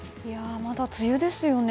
まだ梅雨ですよね。